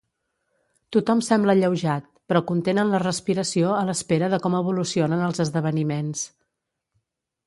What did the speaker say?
Tothom sembla alleujat, però contenen la respiració a l'espera de com evolucionen els esdeveniments.